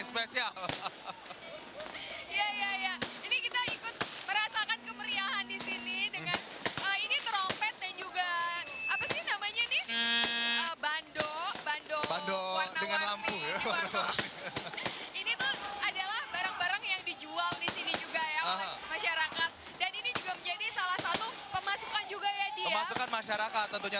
juga ya masyarakat dan ini juga menjadi salah satu pemasukan juga ya dia masyarakat tentunya